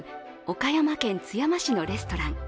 岡山県津山市のレストラン。